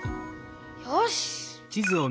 よし！